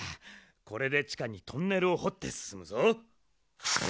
これでちかにトンネルをほってすすむぞ。